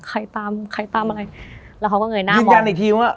ใครตามใครตามอะไรแล้วเขาก็เงยหน้ายืนยันอีกทีว่า